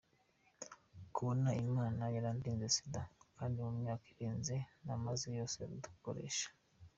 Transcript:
kubona imana yarandinze sida kandi mu myaka irenga namaze yose dukoreraho.